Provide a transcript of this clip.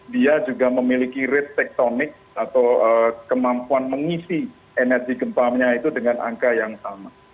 dia juga memiliki rate tektonic atau kemampuan mengisi energi gempanya itu dengan angka yang sama